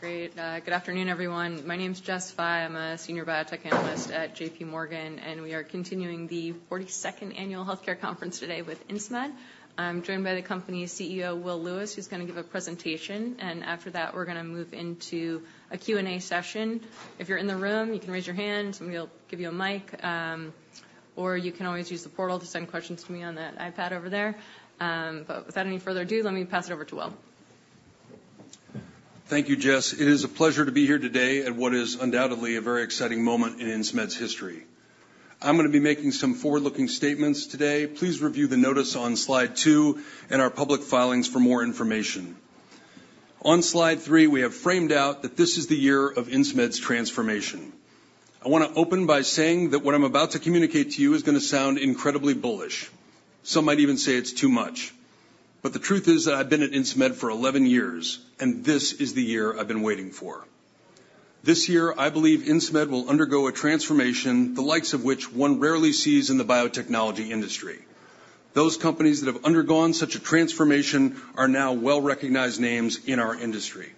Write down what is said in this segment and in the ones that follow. Great. Good afternoon, everyone. My name is Jessica Fye. I'm a Senior Biotech Analyst at JPMorgan, and we are continuing the 42nd Annual Health Care Conference today with Insmed. I'm joined by the company's CEO, Will Lewis, who's gonna give a presentation, and after that, we're gonna move into a Q&A session. If you're in the room, you can raise your hand, and we'll give you a mic, or you can always use the portal to send questions to me on that iPad over there. But without any further ado, let me pass it over to Will. Thank you, Jess. It is a pleasure to be here today at what is undoubtedly a very exciting moment in Insmed's history. I'm gonna be making some forward-looking statements today. Please review the notice on slide two and our public filings for more information. On slide three, we have framed out that this is the year of Insmed's transformation. I want to open by saying that what I'm about to communicate to you is gonna sound incredibly bullish. Some might even say it's too much, but the truth is that I've been at Insmed for 11 years, and this is the year I've been waiting for. This year, I believe Insmed will undergo a transformation, the likes of which one rarely sees in the biotechnology industry. Those companies that have undergone such a transformation are now well-recognized names in our industry.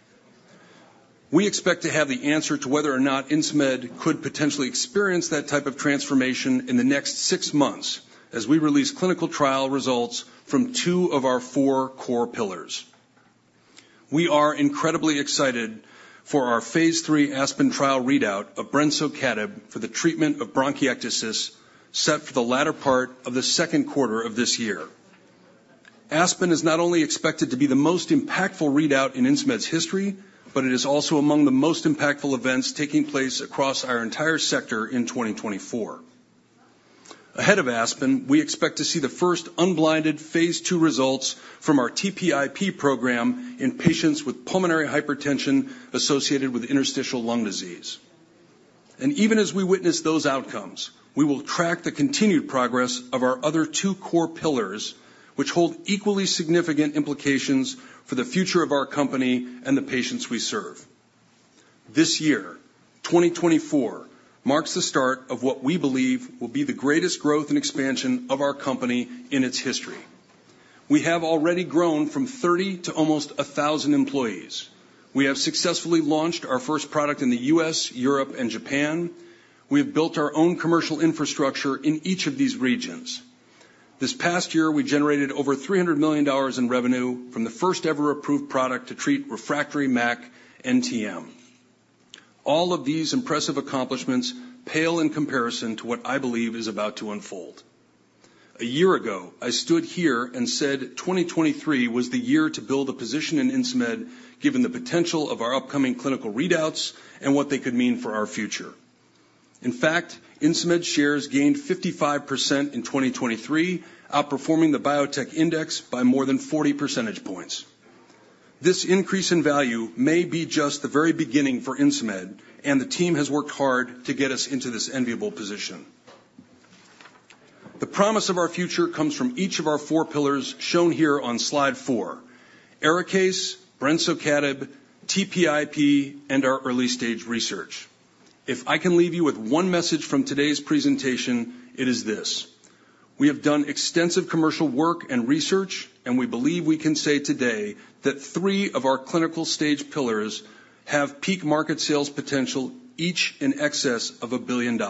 We expect to have the answer to whether or not Insmed could potentially experience that type of transformation in the next six months as we release clinical trial results from two of our four core pillars. We are incredibly excited for our phase III ASPEN trial readout of brensocatib for the treatment of bronchiectasis, set for the latter part of the second quarter of this year. ASPEN is not only expected to be the most impactful readout in Insmed's history, but it is also among the most impactful events taking place across our entire sector in 2024. Ahead of ASPEN, we expect to see the first unblinded phase II results from our TPIP program in patients with pulmonary hypertension associated with interstitial lung disease. Even as we witness those outcomes, we will track the continued progress of our other two core pillars, which hold equally significant implications for the future of our company and the patients we serve. This year, 2024, marks the start of what we believe will be the greatest growth and expansion of our company in its history. We have already grown from 30 to almost 1,000 employees. We have successfully launched our first product in the U.S., Europe, and Japan. We have built our own commercial infrastructure in each of these regions. This past year, we generated over $300 million in revenue from the first-ever approved product to treat refractory MAC-NTM. All of these impressive accomplishments pale in comparison to what I believe is about to unfold. A year ago, I stood here and said 2023 was the year to build a position in Insmed, given the potential of our upcoming clinical readouts and what they could mean for our future. In fact, Insmed shares gained 55% in 2023, outperforming the biotech index by more than 40 percentage points. This increase in value may be just the very beginning for Insmed, and the team has worked hard to get us into this enviable position. The promise of our future comes from each of our four pillars, shown here on slide four: ARIKAYCE, brensocatib, TPIP, and our early-stage research. If I can leave you with one message from today's presentation, it is this: We have done extensive commercial work and research, and we believe we can say today that three of our clinical stage pillars have peak market sales potential, each in excess of $1 billion.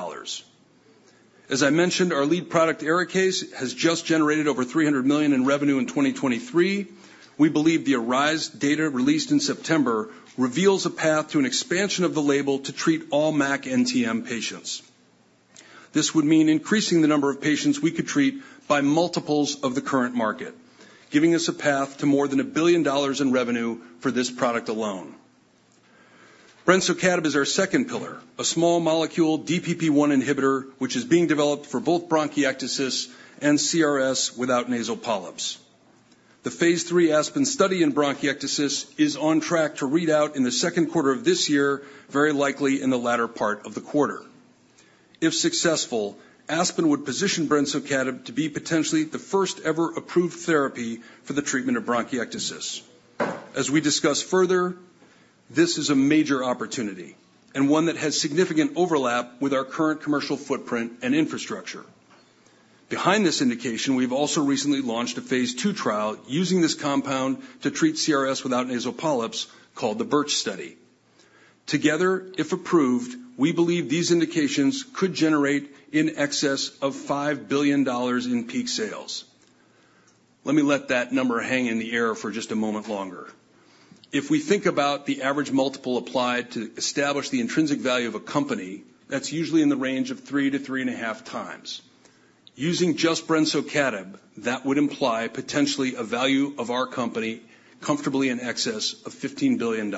As I mentioned, our lead product, ARIKAYCE, has just generated over $300 million in revenue in 2023. We believe the ARISE data, released in September, reveals a path to an expansion of the label to treat all MAC-NTM patients. This would mean increasing the number of patients we could treat by multiples of the current market, giving us a path to more than $1 billion in revenue for this product alone. Brensocatib is our second pillar, a small molecule DPP1 inhibitor, which is being developed for both bronchiectasis and CRS without nasal polyps. The phase III ASPEN study in bronchiectasis is on track to read out in the second quarter of this year, very likely in the latter part of the quarter. If successful, ASPEN would position brensocatib to be potentially the first-ever approved therapy for the treatment of bronchiectasis. As we discuss further, this is a major opportunity and one that has significant overlap with our current commercial footprint and infrastructure. Behind this indication, we've also recently launched a phase II trial using this compound to treat CRS without nasal polyps, called the BiRCh study. Together, if approved, we believe these indications could generate in excess of $5 billion in peak sales. Let me let that number hang in the air for just a moment longer. If we think about the average multiple applied to establish the intrinsic value of a company, that's usually in the range of 3x-3.5x. Using just brensocatib, that would imply potentially a value of our company comfortably in excess of $15 billion.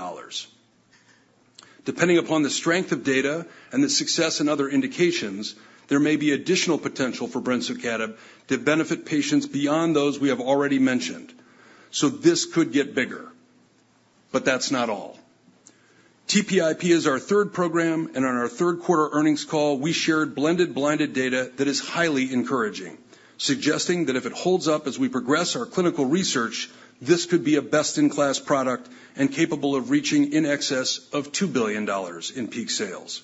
Depending upon the strength of data and the success in other indications, there may be additional potential for brensocatib to benefit patients beyond those we have already mentioned. So this could get bigger, but that's not all. TPIP is our third program, and on our third quarter earnings call, we shared blended blinded data that is highly encouraging, suggesting that if it holds up as we progress our clinical research, this could be a best-in-class product and capable of reaching in excess of $2 billion in peak sales.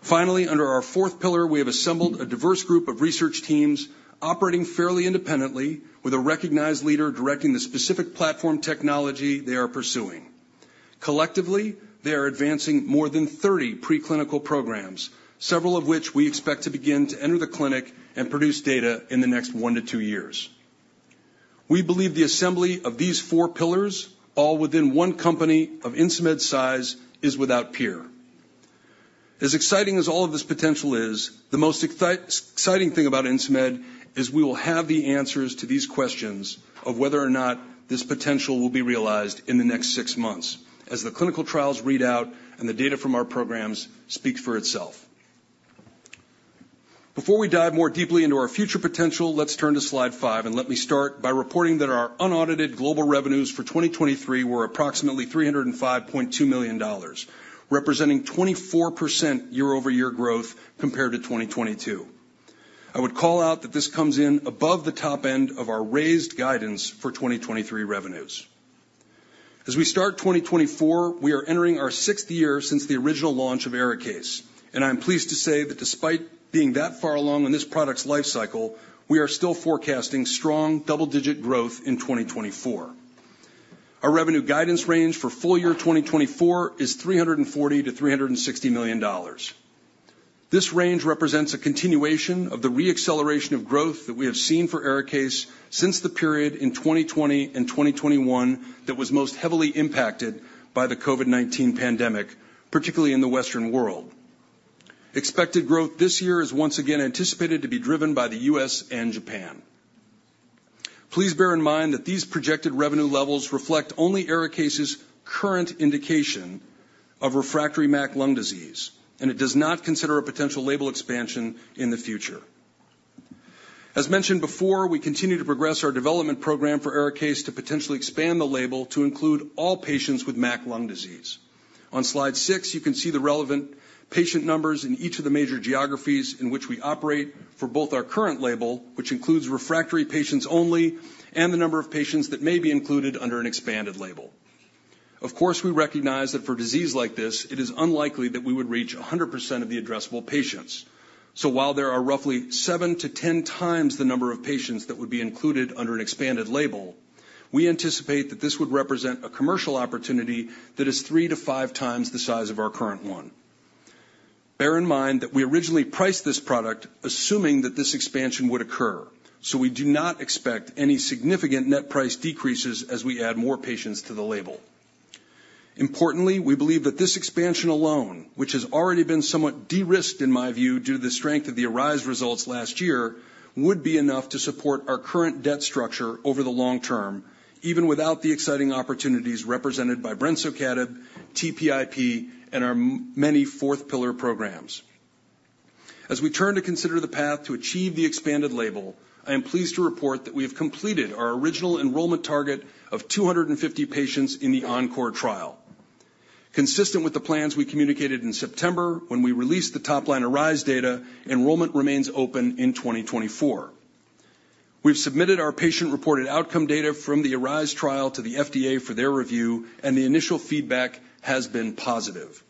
Finally, under our fourth pillar, we have assembled a diverse group of research teams operating fairly independently, with a recognized leader directing the specific platform technology they are pursuing. Collectively, they are advancing more than 30 preclinical programs, several of which we expect to begin to enter the clinic and produce data in the next one to two years. We believe the assembly of these four pillars, all within one company of Insmed's size, is without peer. As exciting as all of this potential is, the most exciting thing about Insmed is we will have the answers to these questions of whether or not this potential will be realized in the next 6 months, as the clinical trials read out and the data from our programs speaks for itself. Before we dive more deeply into our future potential, let's turn to slide five, and let me start by reporting that our unaudited global revenues for 2023 were approximately $305.2 million, representing 24% year-over-year growth compared to 2022. I would call out that this comes in above the top end of our raised guidance for 2023 revenues. As we start 2024, we are entering our sixth year since the original launch of ARIKAYCE, and I am pleased to say that despite being that far along in this product's life cycle, we are still forecasting strong double-digit growth in 2024. Our revenue guidance range for full year 2024 is $340 million-$360 million. This range represents a continuation of the re-acceleration of growth that we have seen for ARIKAYCE since the period in 2020 and 2021 that was most heavily impacted by the COVID-19 pandemic, particularly in the Western world. Expected growth this year is once again anticipated to be driven by the U.S. and Japan. Please bear in mind that these projected revenue levels reflect only ARIKAYCE's current indication of refractory MAC Lung Disease, and it does not consider a potential label expansion in the future. As mentioned before, we continue to progress our development program for ARIKAYCE to potentially expand the label to include all patients with MAC Lung Disease. On slide six, you can see the relevant patient numbers in each of the major geographies in which we operate for both our current label, which includes refractory patients only, and the number of patients that may be included under an expanded label. Of course, we recognize that for a disease like this, it is unlikely that we would reach 100% of the addressable patients. So while there are roughly seven to 10 times the number of patients that would be included under an expanded label, we anticipate that this would represent a commercial opportunity that is three to five times the size of our current one. Bear in mind that we originally priced this product assuming that this expansion would occur, so we do not expect any significant net price decreases as we add more patients to the label. Importantly, we believe that this expansion alone, which has already been somewhat de-risked, in my view, due to the strength of the ARISE results last year, would be enough to support our current debt structure over the long term, even without the exciting opportunities represented by brensocatib, TPIP, and our many fourth pillar programs. As we turn to consider the path to achieve the expanded label, I am pleased to report that we have completed our original enrollment target of 250 patients in the ENCORE trial. Consistent with the plans we communicated in September when we released the top line ARISE data, enrollment remains open in 2024. We've submitted our patient-reported outcome data from the ARISE trial to the FDA for their review, and the initial feedback has been positive.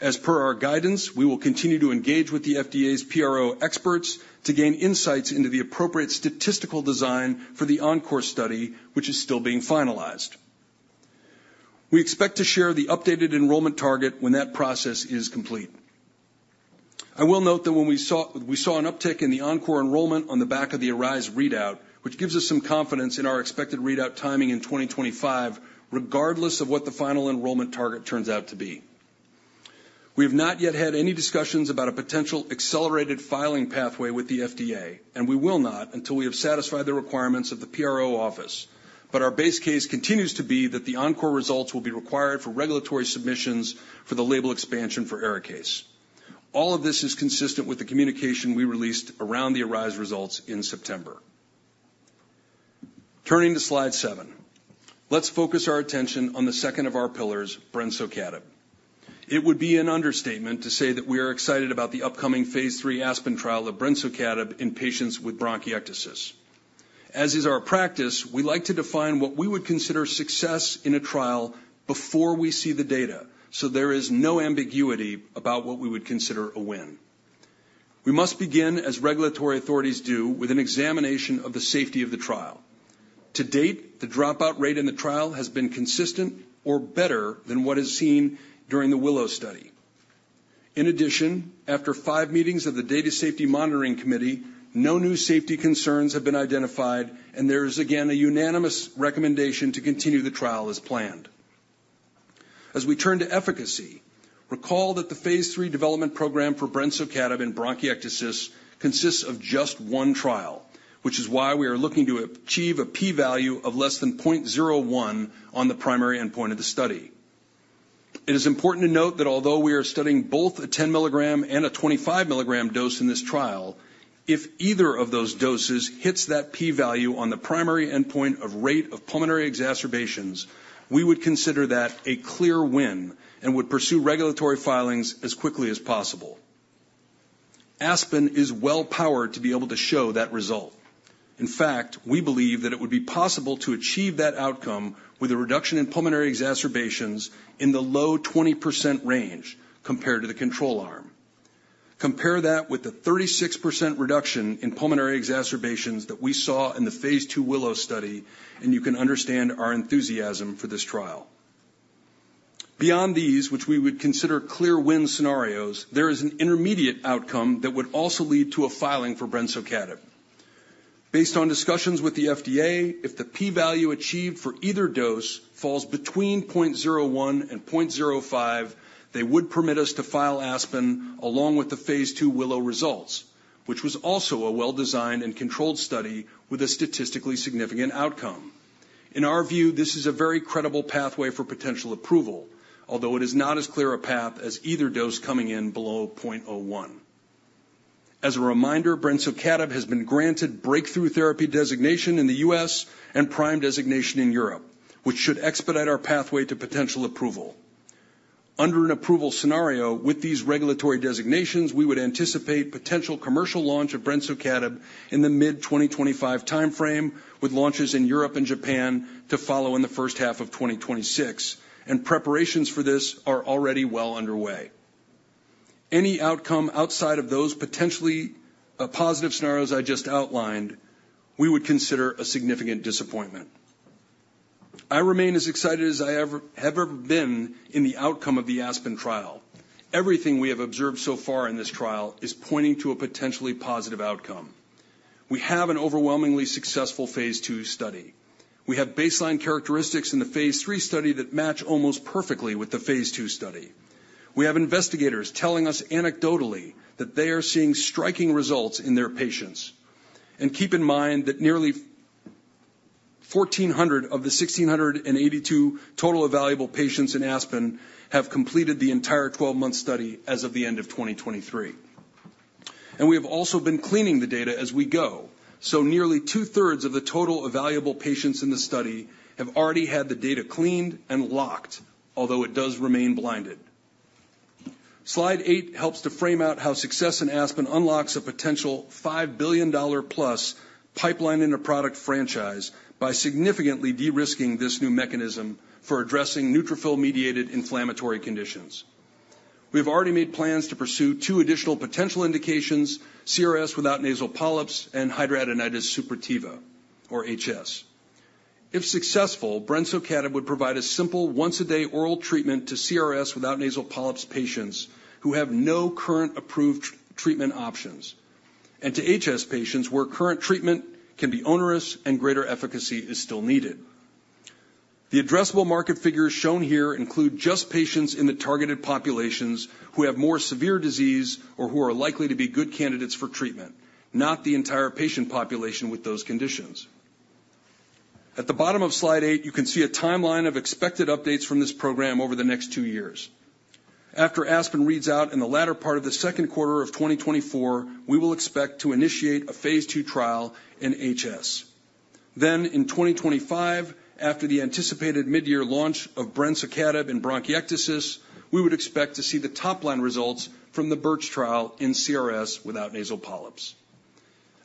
As per our guidance, we will continue to engage with the FDA's PRO experts to gain insights into the appropriate statistical design for the ENCORE study, which is still being finalized. We expect to share the updated enrollment target when that process is complete. I will note that we saw an uptick in the ENCORE enrollment on the back of the ARISE readout, which gives us some confidence in our expected readout timing in 2025, regardless of what the final enrollment target turns out to be. We have not yet had any discussions about a potential accelerated filing pathway with the FDA, and we will not until we have satisfied the requirements of the PRO office. But our base case continues to be that the ENCORE results will be required for regulatory submissions for the label expansion for ARIKAYCE. All of this is consistent with the communication we released around the ARISE results in September. Turning to slide seven, let's focus our attention on the second of our pillars, brensocatib. It would be an understatement to say that we are excited about the upcoming phase III ASPEN trial of brensocatib in patients with bronchiectasis. As is our practice, we like to define what we would consider success in a trial before we see the data, so there is no ambiguity about what we would consider a win. We must begin, as regulatory authorities do, with an examination of the safety of the trial. To date, the dropout rate in the trial has been consistent or better than what is seen during the WILLOW study. In addition, after five meetings of the Data Safety Monitoring Committee, no new safety concerns have been identified, and there is again a unanimous recommendation to continue the trial as planned. As we turn to efficacy, recall that the phase III development program for brensocatib in bronchiectasis consists of just one trial, which is why we are looking to achieve a p-value of less than 0.01 on the primary endpoint of the study. It is important to note that although we are studying both a 10 mg and a 25 mg dose in this trial, if either of those doses hits that p-value on the primary endpoint of rate of pulmonary exacerbations, we would consider that a clear win and would pursue regulatory filings as quickly as possible.... ASPEN is well powered to be able to show that result. In fact, we believe that it would be possible to achieve that outcome with a reduction in pulmonary exacerbations in the low 20% range compared to the control arm. Compare that with the 36% reduction in pulmonary exacerbations that we saw in the phase II WILLOW study, and you can understand our enthusiasm for this trial. Beyond these, which we would consider clear win scenarios, there is an intermediate outcome that would also lead to a filing for brensocatib. Based on discussions with the FDA, if the p-value achieved for either dose falls between 0.01 and 0.05, they would permit us to file ASPEN along with the phase II WILLOW results, which was also a well-designed and controlled study with a statistically significant outcome. In our view, this is a very credible pathway for potential approval, although it is not as clear a path as either dose coming in below 0.01. As a reminder, brensocatib has been granted breakthrough therapy designation in the U.S. and PRIME designation in Europe, which should expedite our pathway to potential approval. Under an approval scenario, with these regulatory designations, we would anticipate potential commercial launch of brensocatib in the mid-2025 timeframe, with launches in Europe and Japan to follow in the first half of 2026, and preparations for this are already well underway. Any outcome outside of those potentially positive scenarios I just outlined, we would consider a significant disappointment. I remain as excited as I ever, have ever been in the outcome of the ASPEN trial. Everything we have observed so far in this trial is pointing to a potentially positive outcome. We have an overwhelmingly successful phase II study. We have baseline characteristics in the phase III study that match almost perfectly with the phase II study. We have investigators telling us anecdotally that they are seeing striking results in their patients. And keep in mind that nearly 1,400 of the 1,682 total evaluable patients in ASPEN have completed the entire 12-month study as of the end of 2023. And we have also been cleaning the data as we go, so nearly 2/3 of the total evaluable patients in the study have already had the data cleaned and locked, although it does remain blinded. Slide eight helps to frame out how success in ASPEN unlocks a potential $5 billion+ pipeline in a product franchise by significantly de-risking this new mechanism for addressing neutrophil-mediated inflammatory conditions. We've already made plans to pursue two additional potential indications, CRS without nasal polyps and Hidradenitis Suppurativa, or HS. If successful, brensocatib would provide a simple once-a-day oral treatment to CRS without nasal polyps patients who have no current approved treatment options, and to HS patients, where current treatment can be onerous and greater efficacy is still needed. The addressable market figures shown here include just patients in the targeted populations who have more severe disease or who are likely to be good candidates for treatment, not the entire patient population with those conditions. At the bottom of slide eight, you can see a timeline of expected updates from this program over the next two years. After ASPEN reads out in the latter part of the second quarter of 2024, we will expect to initiate a phase II trial in HS. Then, in 2025, after the anticipated midyear launch of brensocatib in bronchiectasis, we would expect to see the top-line results from the BiRCh trial in CRS without nasal polyps.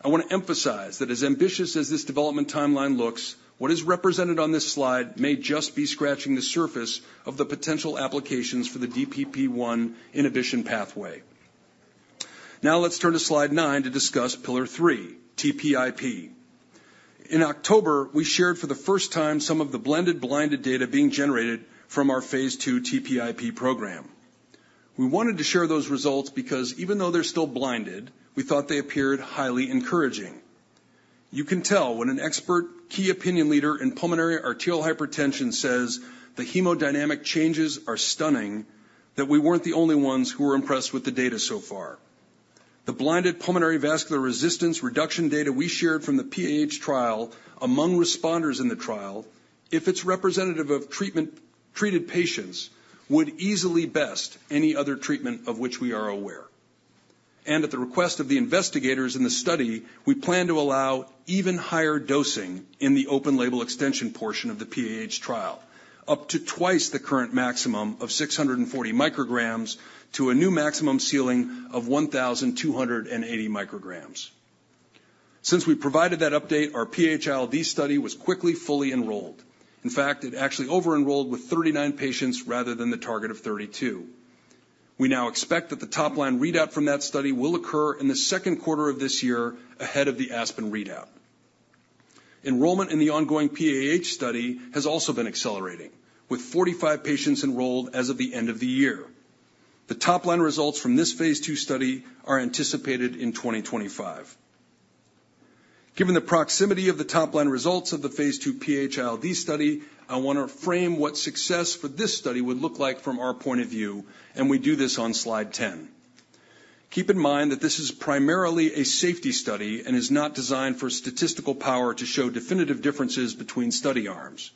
I want to emphasize that as ambitious as this development timeline looks, what is represented on this slide may just be scratching the surface of the potential applications for the DPP1 inhibition pathway. Now let's turn to slide nine to discuss Pillar 3, TPIP. In October, we shared for the first time some of the blended blinded data being generated from our phase II TPIP program. We wanted to share those results because even though they're still blinded, we thought they appeared highly encouraging. You can tell when an expert key opinion leader in pulmonary arterial hypertension says the hemodynamic changes are stunning, that we weren't the only ones who were impressed with the data so far. The blinded pulmonary vascular resistance reduction data we shared from the PAH trial among responders in the trial, if it's representative of treated patients, would easily best any other treatment of which we are aware. At the request of the investigators in the study, we plan to allow even higher dosing in the open label extension portion of the PAH trial, up to twice the current maximum of 640 mcg to a new maximum ceiling of 1,280 mcg. Since we provided that update, our PH-ILD study was quickly fully enrolled. In fact, it actually over-enrolled with 39 patients rather than the target of 32. We now expect that the top-line readout from that study will occur in the second quarter of this year, ahead of the ASPEN readout. Enrollment in the ongoing PAH study has also been accelerating, with 45 patients enrolled as of the end of the year. The top-line results from this phase II study are anticipated in 2025. Given the proximity of the top-line results of the phase II PH-ILD study, I want to frame what success for this study would look like from our point of view, and we do this on slide 10. Keep in mind that this is primarily a safety study and is not designed for statistical power to show definitive differences between study arms.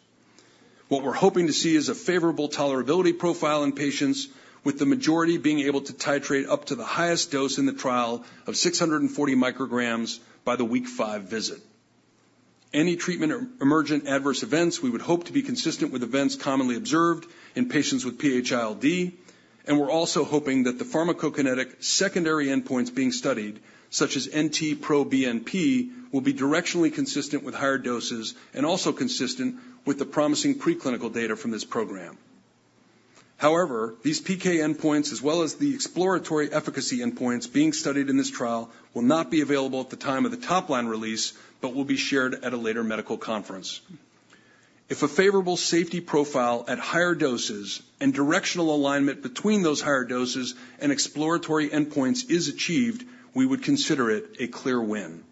What we're hoping to see is a favorable tolerability profile in patients, with the majority being able to titrate up to the highest dose in the trial of 640 mcg by the week five visit.... Any treatment or emergent adverse events, we would hope to be consistent with events commonly observed in patients with PH-ILD. We're also hoping that the pharmacokinetic secondary endpoints being studied, such as NT-proBNP, will be directionally consistent with higher doses and also consistent with the promising preclinical data from this program. However, these PK endpoints, as well as the exploratory efficacy endpoints being studied in this trial, will not be available at the time of the top-line release, but will be shared at a later medical conference. If a favorable safety profile at higher doses and directional alignment between those higher doses and exploratory endpoints is achieved, we would consider it a clear win.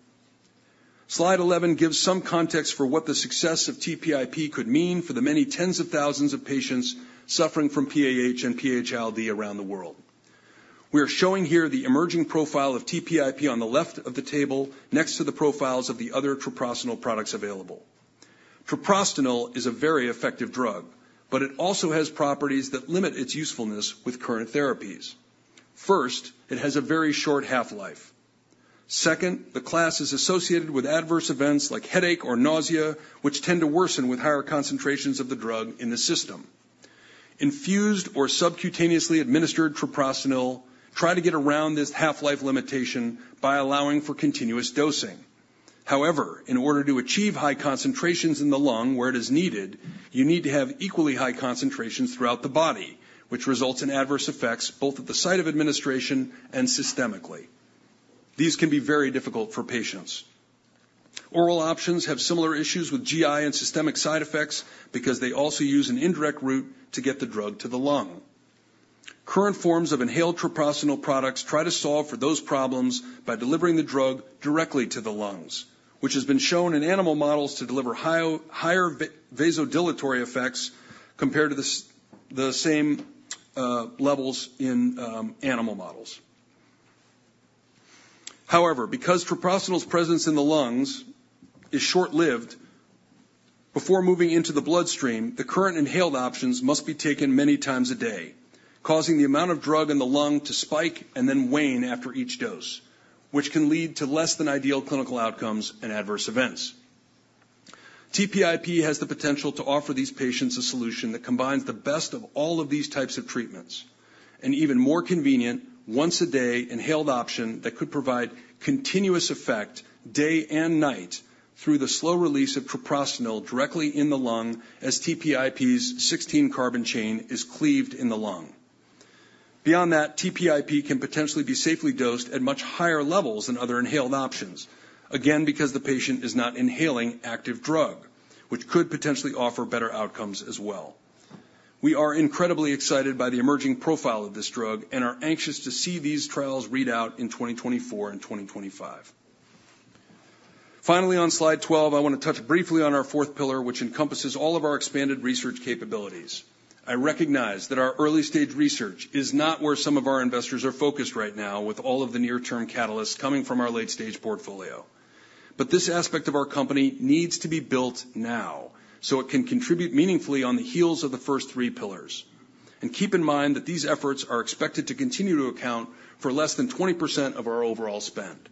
Slide 11 gives some context for what the success of TPIP could mean for the many tens of thousands of patients suffering from PAH and PH-ILD around the world. We are showing here the emerging profile of TPIP on the left of the table, next to the profiles of the other treprostinil products available. Treprostinil is a very effective drug, but it also has properties that limit its usefulness with current therapies. First, it has a very short half-life. Second, the class is associated with adverse events like headache or nausea, which tend to worsen with higher concentrations of the drug in the system. Infused or subcutaneously administered treprostinil try to get around this half-life limitation by allowing for continuous dosing. However, in order to achieve high concentrations in the lung where it is needed, you need to have equally high concentrations throughout the body, which results in adverse effects both at the site of administration and systemically. These can be very difficult for patients. Oral options have similar issues with GI and systemic side effects because they also use an indirect route to get the drug to the lung. Current forms of inhaled treprostinil products try to solve for those problems by delivering the drug directly to the lungs, which has been shown in animal models to deliver higher vasodilatory effects compared to the same levels in animal models. However, because treprostinil's presence in the lungs is short-lived, before moving into the bloodstream, the current inhaled options must be taken many times a day, causing the amount of drug in the lung to spike and then wane after each dose, which can lead to less than ideal clinical outcomes and adverse events. TPIP has the potential to offer these patients a solution that combines the best of all of these types of treatments, an even more convenient, once-a-day, inhaled option that could provide continuous effect, day and night, through the slow release of treprostinil directly in the lung as TPIP's 16-carbon chain is cleaved in the lung. Beyond that, TPIP can potentially be safely dosed at much higher levels than other inhaled options, again, because the patient is not inhaling active drug, which could potentially offer better outcomes as well. We are incredibly excited by the emerging profile of this drug and are anxious to see these trials read out in 2024 and 2025. Finally, on slide 12, I want to touch briefly on our fourth pillar, which encompasses all of our expanded research capabilities. I recognize that our early-stage research is not where some of our investors are focused right now, with all of the near-term catalysts coming from our late-stage portfolio. But this aspect of our company needs to be built now, so it can contribute meaningfully on the heels of the first three pillars. And keep in mind that these efforts are expected to continue to account for less than 20% of our overall spend.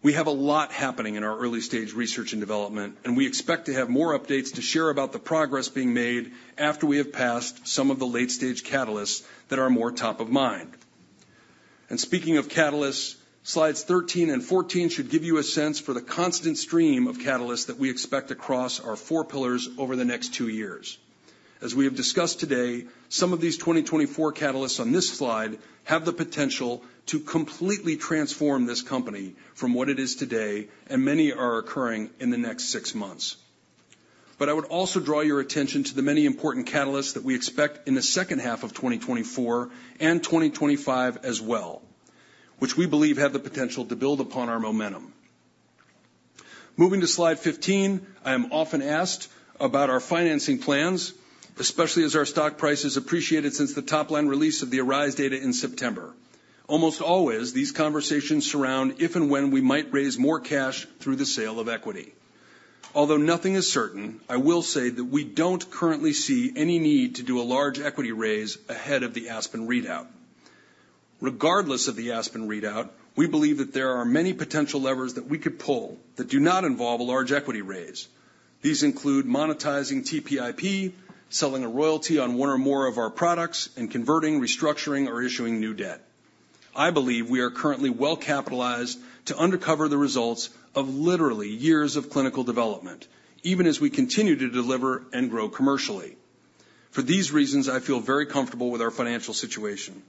We have a lot happening in our early-stage research and development, and we expect to have more updates to share about the progress being made after we have passed some of the late-stage catalysts that are more top of mind. And speaking of catalysts, slides 13 and 14 should give you a sense for the constant stream of catalysts that we expect across our four pillars over the next two years. As we have discussed today, some of these 2024 catalysts on this slide have the potential to completely transform this company from what it is today, and many are occurring in the next six months. But I would also draw your attention to the many important catalysts that we expect in the second half of 2024 and 2025 as well, which we believe have the potential to build upon our momentum. Moving to slide 15, I am often asked about our financing plans, especially as our stock price has appreciated since the top-line release of the ARISE data in September. Almost always, these conversations surround if and when we might raise more cash through the sale of equity. Although nothing is certain, I will say that we don't currently see any need to do a large equity raise ahead of the ASPEN readout. Regardless of the ASPEN readout, we believe that there are many potential levers that we could pull that do not involve a large equity raise. These include monetizing TPIP, selling a royalty on one or more of our products, and converting, restructuring, or issuing new debt. I believe we are currently well-capitalized to underwrite the results of literally years of clinical development, even as we continue to deliver and grow commercially. For these reasons, I feel very comfortable with our financial situation.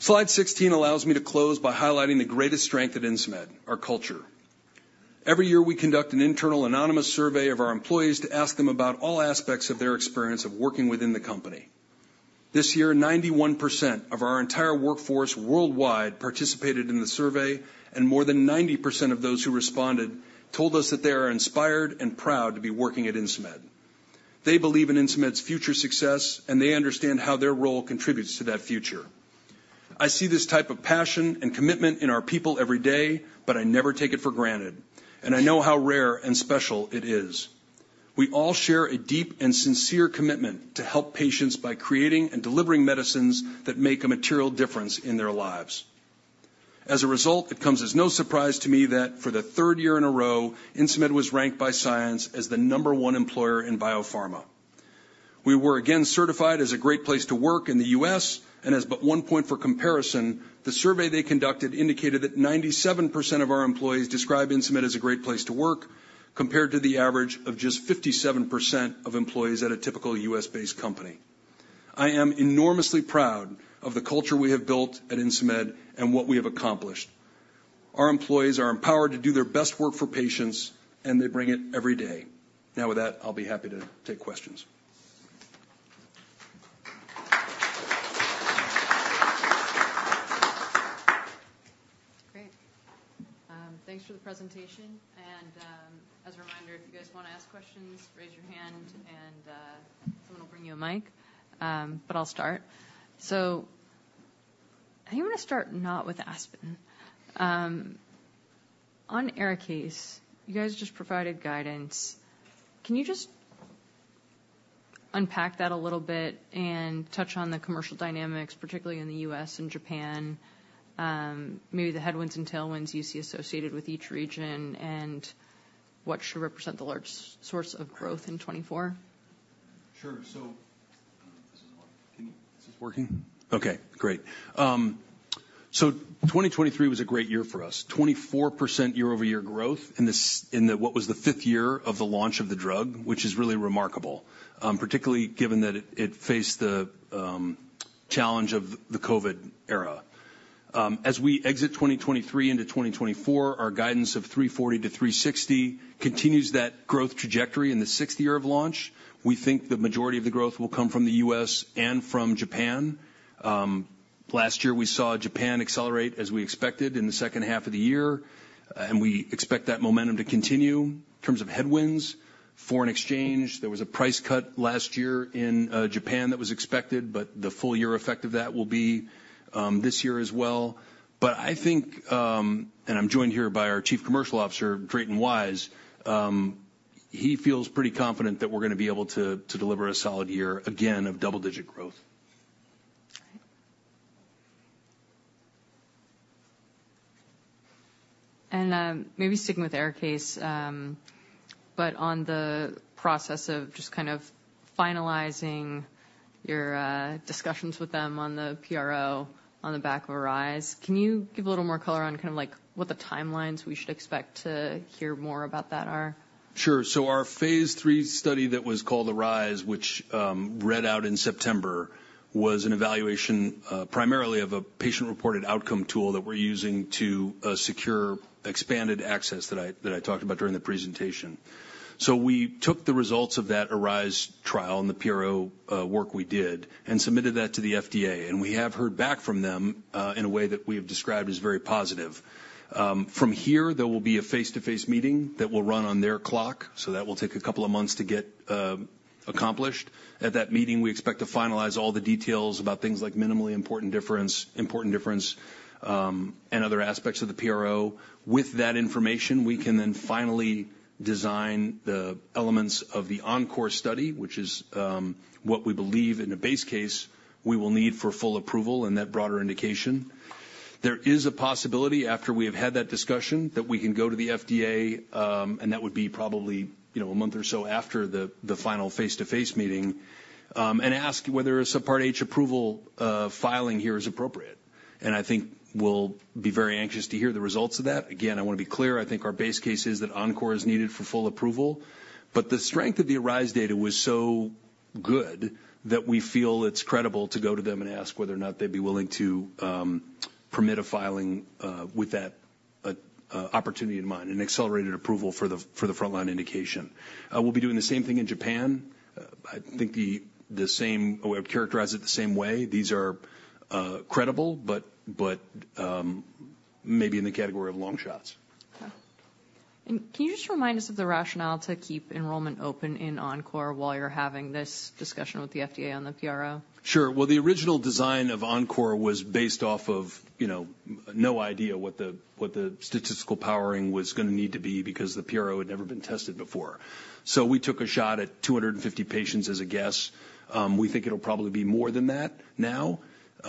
Slide 16 allows me to close by highlighting the greatest strength at Insmed, our culture. Every year, we conduct an internal anonymous survey of our employees to ask them about all aspects of their experience of working within the company. This year, 91% of our entire workforce worldwide participated in the survey, and more than 90% of those who responded told us that they are inspired and proud to be working at Insmed. They believe in Insmed's future success, and they understand how their role contributes to that future. I see this type of passion and commitment in our people every day, but I never take it for granted, and I know how rare and special it is.... We all share a deep and sincere commitment to help patients by creating and delivering medicines that make a material difference in their lives. As a result, it comes as no surprise to me that for the third year in a row, Insmed was ranked by Science as the number one employer in biopharma. We were again certified as a great place to work in the U.S., and as but one point for comparison, the survey they conducted indicated that 97% of our employees describe Insmed as a great place to work, compared to the average of just 57% of employees at a typical U.S.-based company. I am enormously proud of the culture we have built at Insmed and what we have accomplished. Our employees are empowered to do their best work for patients, and they bring it every day. Now, with that, I'll be happy to take questions. Great. Thanks for the presentation, and, as a reminder, if you guys want to ask questions, raise your hand and, someone will bring you a mic. But I'll start. So I want to start not with ASPEN. On ARIKAYCE, you guys just provided guidance. Can you just unpack that a little bit and touch on the commercial dynamics, particularly in the U.S. and Japan, maybe the headwinds and tailwinds you see associated with each region, and what should represent the largest source of growth in 2024? Sure. So this is working. Is this working? Okay, great. So 2023 was a great year for us. 24% year-over-year growth in the what was the fifth year of the launch of the drug, which is really remarkable, particularly given that it faced the challenge of the COVID era. As we exit 2023 into 2024, our guidance of $340 million-$360 million continues that growth trajectory in the sixth year of launch. We think the majority of the growth will come from the U.S. and from Japan. Last year, we saw Japan accelerate as we expected in the second half of the year, and we expect that momentum to continue. In terms of headwinds, foreign exchange, there was a price cut last year in Japan that was expected, but the full year effect of that will be this year as well. But I think, and I'm joined here by our Chief Commercial Officer, Drayton Wise, he feels pretty confident that we're going to be able to, to deliver a solid year, again, of double-digit growth. Maybe sticking with ARIKAYCE, but on the process of just kind of finalizing your discussions with them on the PRO, on the back of ARISE, can you give a little more color on kind of like what the timelines we should expect to hear more about that are? Sure. So our phase III study that was called ARISE, which read out in September, was an evaluation primarily of a patient-reported outcome tool that we're using to secure expanded access that I talked about during the presentation. So we took the results of that ARISE trial and the PRO work we did, and submitted that to the FDA, and we have heard back from them in a way that we have described as very positive. From here, there will be a face-to-face meeting that will run on their clock, so that will take a couple of months to get accomplished. At that meeting, we expect to finalize all the details about things like minimally important difference, important difference, and other aspects of the PRO. With that information, we can then finally design the elements of the ENCORE study, which is, what we believe in a base case we will need for full approval and that broader indication. There is a possibility, after we have had that discussion, that we can go to the FDA, and that would be probably, you know, a month or so after the final face-to-face meeting, and ask whether a Subpart H approval, filing here is appropriate. And I think we'll be very anxious to hear the results of that. Again, I want to be clear, I think our base case is that ENCORE is needed for full approval, but the strength of the ARISE data was so good that we feel it's credible to go to them and ask whether or not they'd be willing to permit a filing with that opportunity in mind, an accelerated approval for the frontline indication. We'll be doing the same thing in Japan. I think the same... I would characterize it the same way. These are credible, but maybe in the category of long shots. Okay. And can you just remind us of the rationale to keep enrollment open in ENCORE while you're having this discussion with the FDA on the PRO? Sure. Well, the original design of ENCORE was based off of, you know, no idea what the, what the statistical powering was going to need to be because the PRO had never been tested before. So we took a shot at 250 patients as a guess. We think it'll probably be more than that now,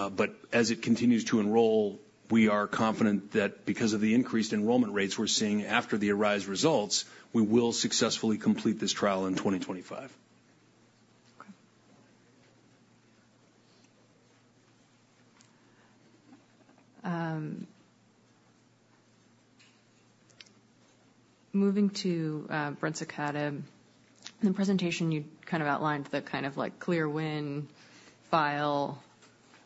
but as it continues to enroll, we are confident that because of the increased enrollment rates we're seeing after the ARISE results, we will successfully complete this trial in 2025. Okay. Moving to brensocatib. In the presentation, you kind of outlined the kind of like, clear win, file,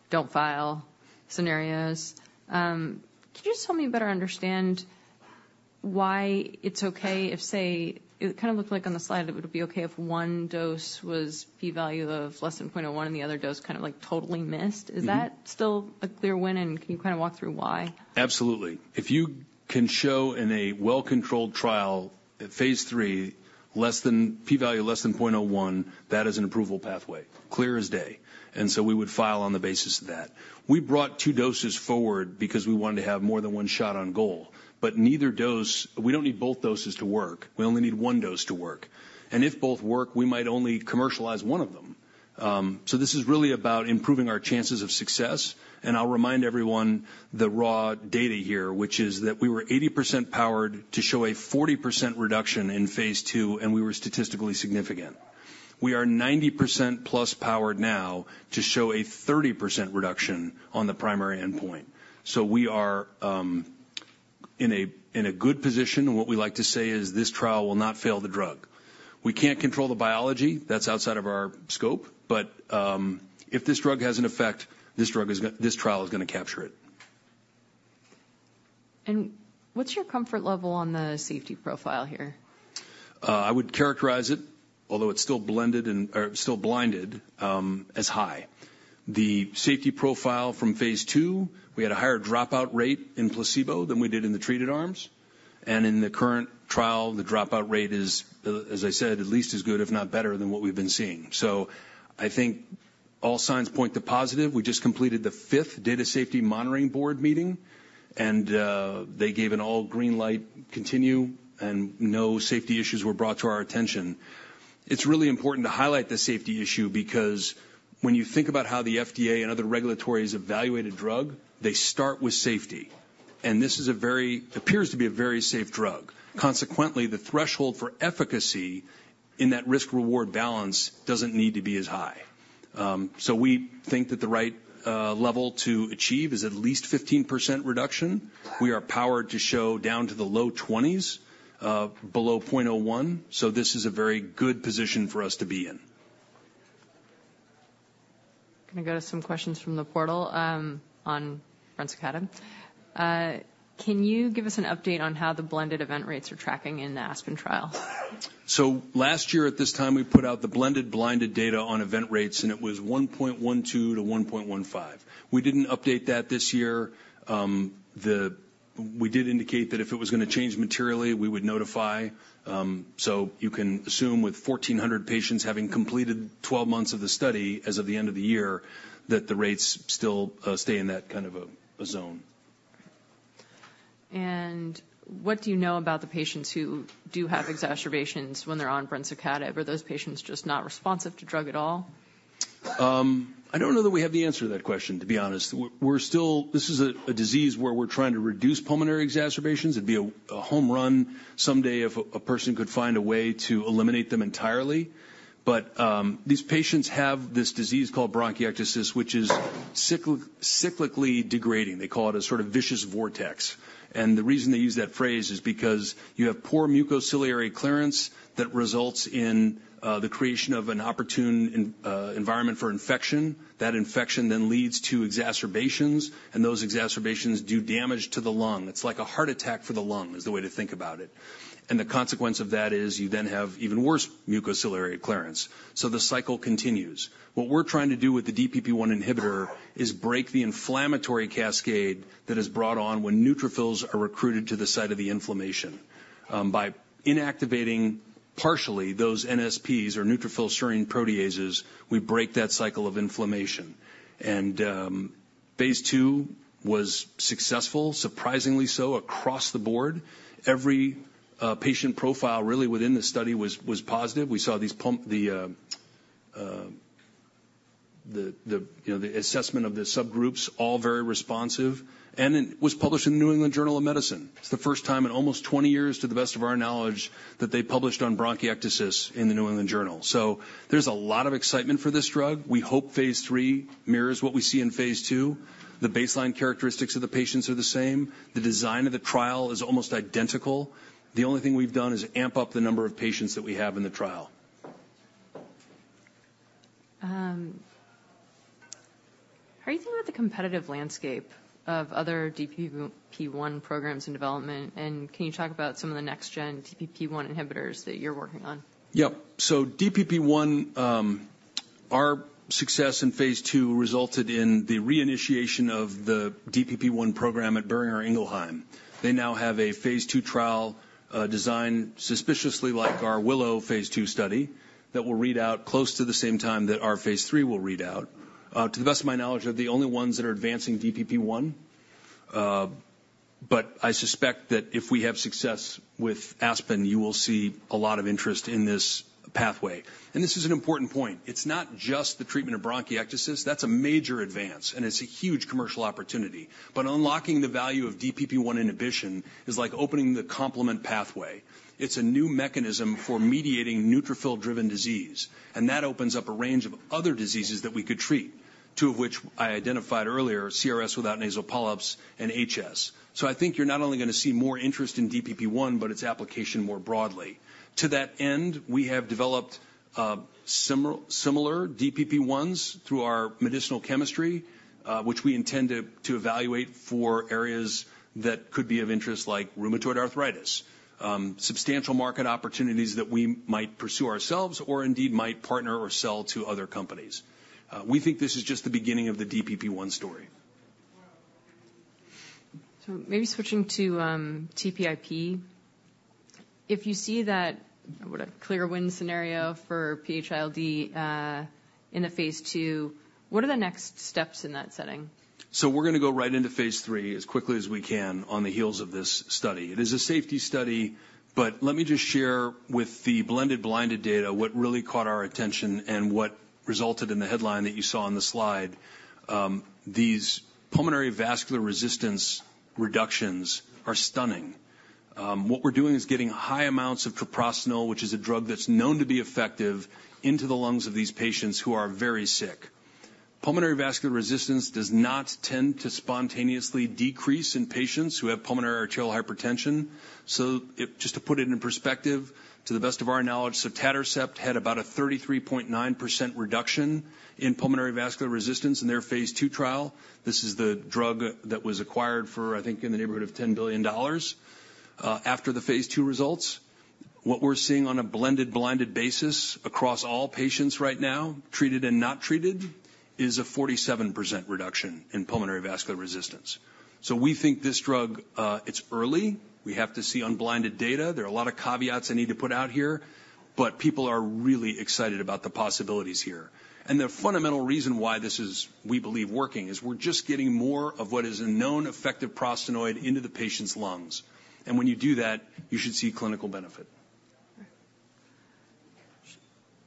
don't file scenarios. Could you just help me better understand why it's okay if, say, it kind of looked like on the slide that it would be okay if one dose was p-value of less than 0.01, and the other dose kind of like, totally missed? Mm-hmm. Is that still a clear win, and can you kind of walk through why? Absolutely. If you can show in a well-controlled trial at phase III, less than p-value, less than 0.01, that is an approval pathway, clear as day, and so we would file on the basis of that. We brought two doses forward because we wanted to have more than one shot on goal, but neither dose. We don't need both doses to work. We only need one dose to work, and if both work, we might only commercialize one of them.... So this is really about improving our chances of success. I'll remind everyone the raw data here, which is that we were 80% powered to show a 40% reduction in phase II, and we were statistically significant. We are 90%+ powered now to show a 30% reduction on the primary endpoint. So we are in a good position, and what we like to say is this trial will not fail the drug. We can't control the biology. That's outside of our scope, but if this drug has an effect, this trial is going to capture it. What's your comfort level on the safety profile here? I would characterize it, although it's still blinded, as high. The safety profile from phase II, we had a higher dropout rate in placebo than we did in the treated arms. In the current trial, the dropout rate is, as I said, at least as good, if not better, than what we've been seeing. So I think all signs point to positive. We just completed the fifth Data Safety Monitoring Board meeting, and they gave an all-green light to continue, and no safety issues were brought to our attention. It's really important to highlight the safety issue because when you think about how the FDA and other regulators evaluate a drug, they start with safety. And this is a very, appears to be a very safe drug. Consequently, the threshold for efficacy in that risk-reward balance doesn't need to be as high. So we think that the right level to achieve is at least 15% reduction. We are powered to show down to the low 20s, below 0.01, so this is a very good position for us to be in. Can I go to some questions from the portal, on brensocatib? Can you give us an update on how the blended event rates are tracking in the ASPEN trial? So last year, at this time, we put out the blended, blinded data on event rates, and it was 1.12-1.15. We didn't update that this year. We did indicate that if it was going to change materially, we would notify. So you can assume with 1,400 patients having completed 12 months of the study as of the end of the year, that the rates still stay in that kind of a zone. What do you know about the patients who do have exacerbations when they're on brensocatib? Are those patients just not responsive to drug at all? I don't know that we have the answer to that question, to be honest. We're still this is a disease where we're trying to reduce pulmonary exacerbations. It'd be a home run someday if a person could find a way to eliminate them entirely. But these patients have this disease called bronchiectasis, which is cyclically degrading. They call it a sort of vicious vortex. And the reason they use that phrase is because you have poor mucociliary clearance that results in the creation of an opportune environment for infection. That infection then leads to exacerbations, and those exacerbations do damage to the lung. It's like a heart attack for the lung, is the way to think about it. And the consequence of that is you then have even worse mucociliary clearance. So the cycle continues. What we're trying to do with the DPP1 inhibitor is break the inflammatory cascade that is brought on when neutrophils are recruited to the site of the inflammation. By inactivating partially those NSPs or neutrophil serine proteases, we break that cycle of inflammation. Phase II was successful, surprisingly so, across the board. Every patient profile really within the study was positive. We saw these, you know, the assessment of the subgroups, all very responsive, and it was published in the New England Journal of Medicine. It's the first time in almost 20 years, to the best of our knowledge, that they published on bronchiectasis in the New England Journal. So there's a lot of excitement for this drug. We hope phase III mirrors what we see in phase II. The baseline characteristics of the patients are the same. The design of the trial is almost identical. The only thing we've done is amp up the number of patients that we have in the trial. How are you feeling about the competitive landscape of other DPP1 programs in development, and can you talk about some of the next-gen DPP1 inhibitors that you're working on? Yep. So DPP1, our success in phase II resulted in the reinitiation of the DPP1 program at Boehringer Ingelheim. They now have a phase II trial design, suspiciously like our WILLOW phase II study, that will read out close to the same time that our phase III will read out. To the best of my knowledge, they're the only ones that are advancing DPP1. But I suspect that if we have success with ASPEN, you will see a lot of interest in this pathway. And this is an important point. It's not just the treatment of bronchiectasis. That's a major advance, and it's a huge commercial opportunity. But unlocking the value of DPP1 inhibition is like opening the complement pathway. It's a new mechanism for mediating neutrophil-driven disease, and that opens up a range of other diseases that we could treat, two of which I identified earlier, CRS without nasal polyps and HS. So I think you're not only going to see more interest in DPP1, but its application more broadly. To that end, we have developed similar DPP1s through our medicinal chemistry, which we intend to evaluate for areas that could be of interest, like rheumatoid arthritis, substantial market opportunities that we might pursue ourselves or indeed might partner or sell to other companies. We think this is just the beginning of the DPP1 story. So maybe switching to TPIP. If you see that, what a clear win scenario for PH-ILD, in a phase II, what are the next steps in that setting? So we're gonna go right into phase III as quickly as we can on the heels of this study. It is a safety study, but let me just share with the blended blinded data, what really caught our attention and what resulted in the headline that you saw on the slide. These pulmonary vascular resistance reductions are stunning. What we're doing is getting high amounts of treprostinil, which is a drug that's known to be effective, into the lungs of these patients who are very sick. Pulmonary vascular resistance does not tend to spontaneously decrease in patients who have pulmonary arterial hypertension. So if, just to put it in perspective, to the best of our knowledge, so sotatercept had about a 33.9% reduction in pulmonary vascular resistance in their phase II trial. This is the drug that was acquired for, I think, in the neighborhood of $10 billion, after the phase II results. What we're seeing on a blended, blinded basis across all patients right now, treated and not treated, is a 47% reduction in pulmonary vascular resistance. So we think this drug, it's early. We have to see unblinded data. There are a lot of caveats I need to put out here, but people are really excited about the possibilities here. And the fundamental reason why this is, we believe, working, is we're just getting more of what is a known effective prostacyclin into the patient's lungs. And when you do that, you should see clinical benefit.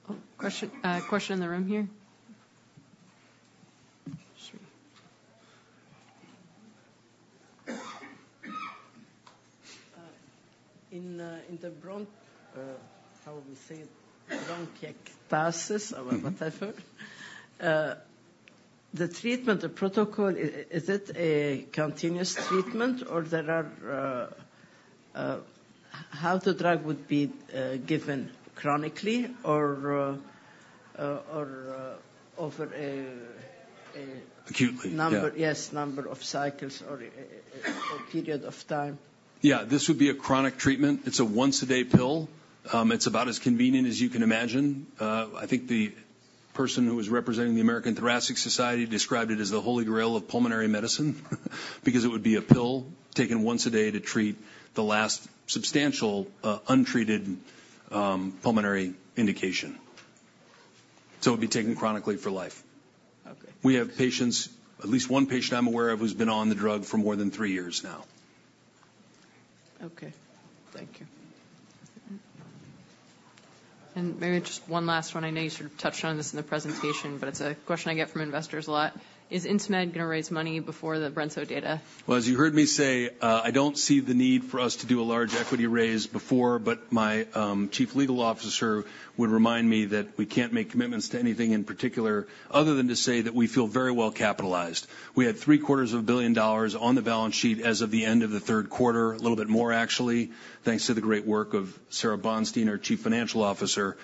Okay. Question, question in the room here? Sure. In the bronchiectasis, how we say it, bronchiectasis or whatever, the treatment, the protocol, is it a continuous treatment or there are... How the drug would be given chronically or, or, over a... Acutely, yeah. Number- Yes, number of cycles or a period of time? Yeah, this would be a chronic treatment. It's a once-a-day pill. It's about as convenient as you can imagine. I think the person who was representing the American Thoracic Society described it as the holy grail of pulmonary medicine, because it would be a pill taken once a day to treat the last substantial, untreated pulmonary indication. So it'd be taken chronically for life. Okay. We have patients, at least one patient I'm aware of, who's been on the drug for more than three years now. Okay. Thank you. Maybe just one last one. I know you sort of touched on this in the presentation, but it's a question I get from investors a lot: Is Insmed going to raise money before the brensocatib data? Well, as you heard me say, I don't see the need for us to do a large equity raise before, but my chief legal officer would remind me that we can't make commitments to anything in particular other than to say that we feel very well capitalized. We had $750 million on the balance sheet as of the end of the third quarter. A little bit more, actually, thanks to the great work of Sara Bonstein, our Chief Financial Officer.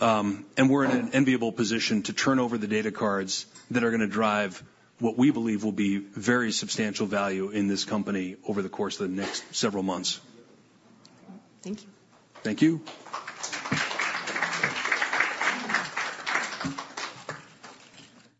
And we're in an enviable position to turn over the data cards that are gonna drive what we believe will be very substantial value in this company over the course of the next several months. Thank you. Thank you.